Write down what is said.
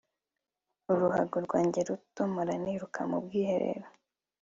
uruhago rwanjye ruto mpora niruka mu bwiherero